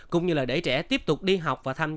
cũng như để trẻ tiếp tục đi học và tham gia hệ thống